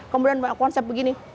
kemudian konsep begini